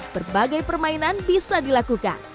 berbagai permainan bisa dilakukan